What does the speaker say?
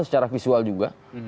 secara visual juga